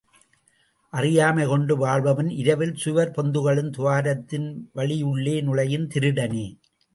அறியாமை கொண்டு வாழ்பவன் இரவில் சுவர் பொந்துகளின் துவாரத்தின் வழியுள்ளே நுழையும் திருடனே!